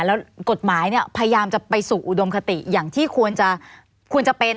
แล้วกฎหมายเนี่ยพยายามจะไปสู่อุดมคติอย่างที่ควรจะควรจะเป็น